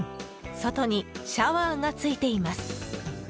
外にシャワーがついています。